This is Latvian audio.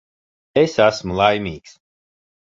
Es esmu laimīgs.